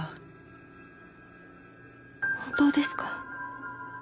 本当ですか？